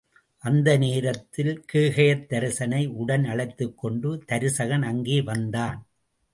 அந்த நேரத்தில் கேகயத்தரசனை உடன் அழைத்துக் கொண்டு தருசகன் அங்கே வந்தான்.